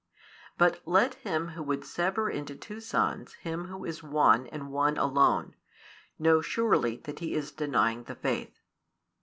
But let him who would sever into two sons Him Who is One and One alone, know surely that he is denying the faith.